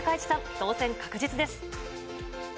当選確実です。